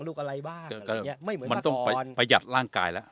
ลูกอะไรบ้างอะไรอย่างเงี้ยไม่เหมือนมันต้องประหยัดร่างกายแล้ว